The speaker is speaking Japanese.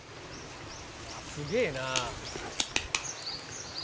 「すげえな」